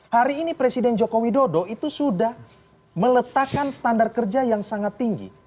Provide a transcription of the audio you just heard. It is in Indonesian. hari ini presiden joko widodo itu sudah meletakkan standar kerja yang sangat tinggi